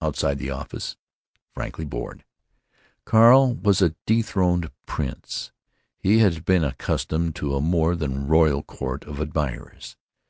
Outside the office—frankly bored. Carl was a dethroned prince. He had been accustomed to a more than royal court of admirers.